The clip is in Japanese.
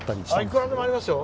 いくらでもありますよ